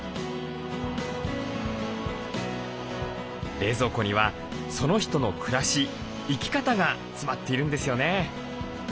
冷蔵庫にはその人の暮らし生き方が詰まっているんですよね。